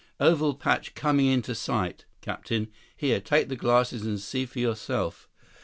"Oval patch coming into sight, captain. Here, take the glasses and see for yourself."